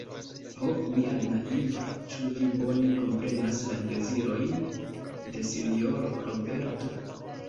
Ho, mia naiva, ĉu vi bone komprenas la dezirojn de sinjoro Roberto?